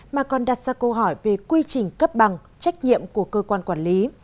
mà còn đặt ra câu hỏi về quy trình cấp bằng trách nhiệm của cơ quan quản lý